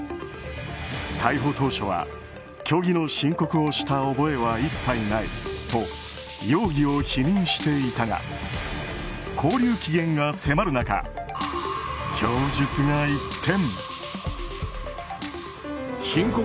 逮捕当初は虚偽の申告をした覚えは一切ないと容疑を否認していたが勾留期限が迫る中供述が一転。